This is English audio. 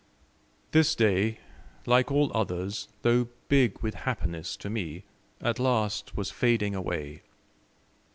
This day, like all others, though big with happiness to me, at last was fading away.